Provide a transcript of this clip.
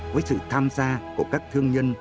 với sự tham gia của các thương nhân